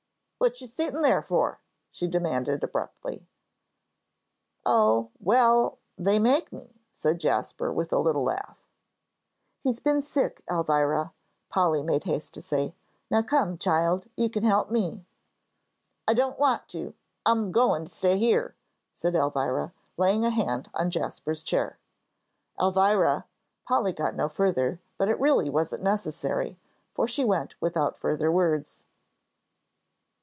"What you sittin' there for?" she demanded abruptly. "Oh well they make me," said Jasper, with a little laugh. "He's been sick, Elvira," Polly made haste to say. "Now come, child, you can help me." "I don't want to. I'm goin' to stay here," said Elvira, laying a hand on Jasper's chair. "Elvira!" Polly got no further, but it really wasn't necessary, for she went without further words.